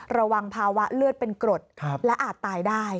ระวังภาวะเลือดเป็นกรดและอาจตายได้